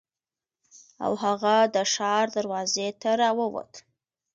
او هغه د ښار دروازې ته راووت.